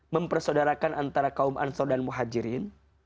mempersaudarakan antara kaum ansor dan muhajirin